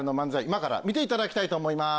今から見ていただきたいと思います。